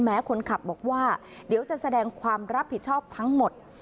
คนขับบอกว่าเดี๋ยวจะแสดงความรับผิดชอบทั้งหมด